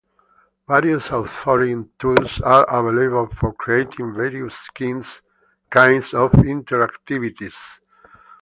Various authoring tools are available for creating various kinds of interactivities.